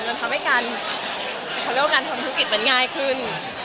มันทำให้การเขาเรียกว่าการทำธุรกิจมันง่ายขึ้น